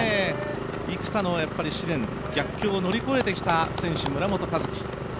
幾多の試練、逆境を乗り越えてきた選手、村本一樹。